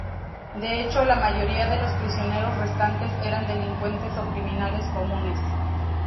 De hecho, la mayoría de los prisioneros restantes eran delincuentes o criminales comunes.